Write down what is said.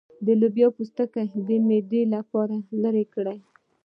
د لوبیا پوستکی د معدې لپاره لرې کړئ